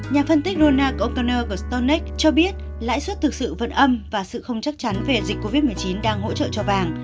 nhà phân tích rona gorkner gostonek cho biết lãi suất thực sự vẫn âm và sự không chắc chắn về dịch covid một mươi chín đang hỗ trợ cho vàng